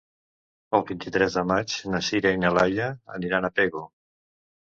El vint-i-tres de maig na Sira i na Laia aniran a Pego.